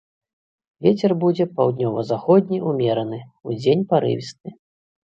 Вецер будзе паўднёва-заходні ўмераны, удзень парывісты.